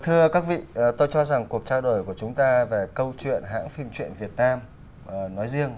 thưa các vị tôi cho rằng cuộc trao đổi của chúng ta về câu chuyện hãng phim truyện việt nam nói riêng